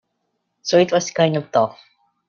So it was kind of tough.